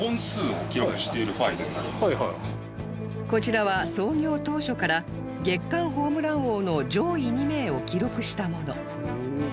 こちらは創業当初から月間ホームラン王の上位２名を記録したもの